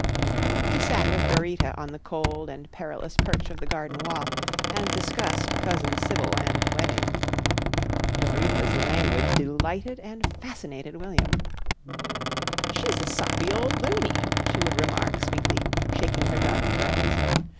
He sat with Dorita on the cold and perilous perch of the garden wall and discussed Cousin Sybil and the wedding. Dorita's language delighted and fascinated William. "She's a soppy old luny," she would remark sweetly, shaking her dark curls.